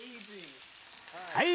はい！